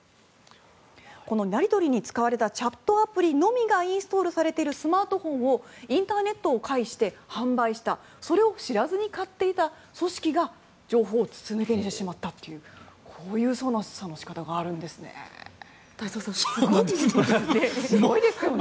このやり取りに使われたチャットアプリのみがインストールされているスマートフォンをインターネットを介して販売したそれを知らずに買っていた組織が情報を筒抜けにしてしまったというこういう捜査の仕方があるんですね。